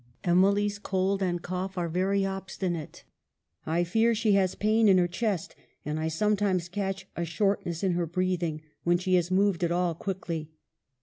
Emily's cold and cough are very obstinate. I fear she has pain in her chest, and I sometimes catch a shortness in her breathing when she has moved at all quickly.